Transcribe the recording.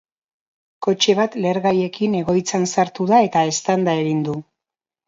Kotxe bat lehergaiekin egoitzan sartu da eta eztanda egin du.